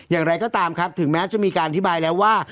อย่างไรก็ตามครับถึงแม้จะมีการอธิบายแล้วว่า